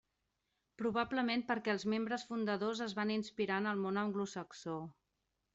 Probablement perquè els membres fundadors es van inspirar en el món anglosaxó.